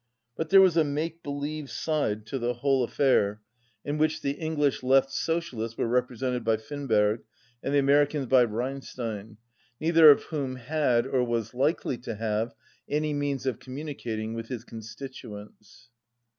But there was a make believe side to the whole 217 affair, in which the English Left Socialists were .represented by Finberg, and the Americans by Reinstein, neither of whom had or was likely to have any means of communicating with his con stituents.